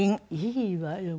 いいわよ